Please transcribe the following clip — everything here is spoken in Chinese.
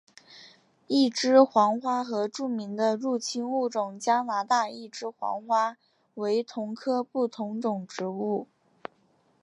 一枝黄花和著名的入侵物种加拿大一枝黄花为同科不同种植物。